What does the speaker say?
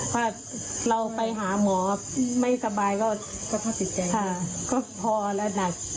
ถ้าเราไปหาหมอไม่สบายก็พอแล้วหนัก